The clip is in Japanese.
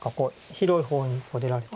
広い方に出られて。